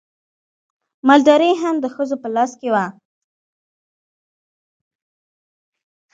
مالداري هم د ښځو په لاس کې وه.